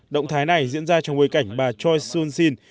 động thái này diễn ra trong bối cảnh bà choi soon sin